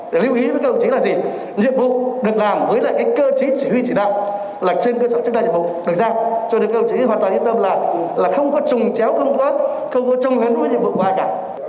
để lưu ý với các đồng chí là gì nhiệm vụ được làm với lại cái cơ chí chỉ huy chỉ đạo là trên cơ sở chức trang nhiệm vụ được giao cho được các đồng chí hoàn toàn yên tâm là không có trùng chéo không có không có trông hấn với nhiệm vụ của ai cả